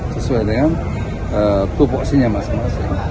sesuai dengan tupoksinya masing masing